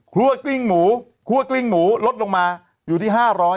กลิ้งหมูคั่วกลิ้งหมูลดลงมาอยู่ที่๕๐๐